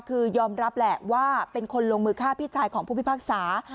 คือยอมรับแหละว่าเป็นคนลงมือฆ่าพี่ชายของผู้พิพากษา